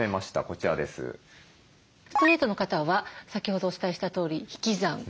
ストレートの方は先ほどお伝えしたとおり引き算ですね。